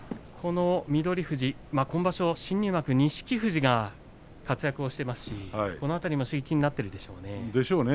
今場所新入幕の錦富士が活躍をしていますしこの辺りも刺激になっているんじゃないでしょうか。